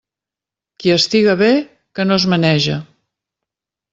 Qui estiga bé, que no es menege.